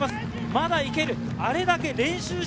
まだ行ける！